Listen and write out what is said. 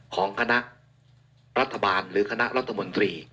ของคณะรัฐบาลหรือคณะรัฐมนตรี